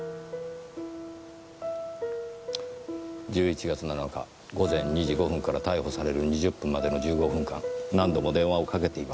１１月７日午前２時５分から逮捕される２０分までの１５分間何度も電話を掛けていますね。